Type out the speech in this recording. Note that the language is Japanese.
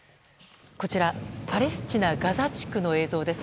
パレスチナ・ガザ地区の映像です。